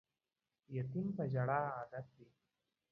یتیم په ژړا عادت دی